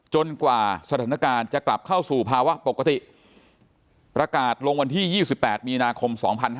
กว่าสถานการณ์จะกลับเข้าสู่ภาวะปกติประกาศลงวันที่๒๘มีนาคม๒๕๕๙